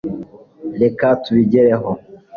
Reka tubigereho